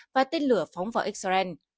và tên lửa phóng vào israel